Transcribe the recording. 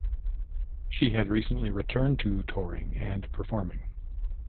She had recently returned to touring and performing.